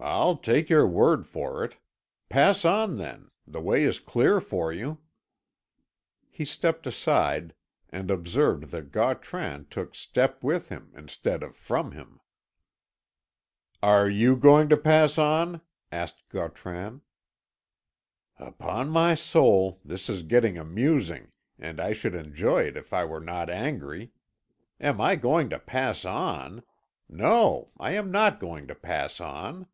"I'll take your word for it. Pass on, then. The way is clear for you." He stepped aside, and observed that Gautran took step with him instead of from him. "Are you going to pass on?" asked Gautran. "Upon my soul this is getting amusing, and I should enjoy it if I were not angry. Am I going to pass on? No, I am not going to pass on."